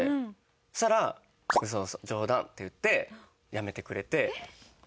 そしたら「嘘嘘冗談！」って言ってやめてくれて。